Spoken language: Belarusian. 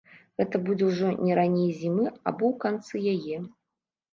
Гэта будзе ўжо не раней зімы або ў канцы яе.